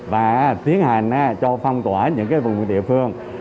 và tiến hành cho phong tỏa những vùng địa phương